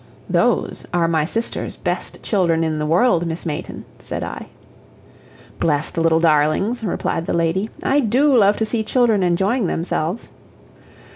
"Those are my sister's best children in the world, Miss Mayton," said I. "Bless the little darlings!" replied the lady; "I DO love to see children enjoying themselves."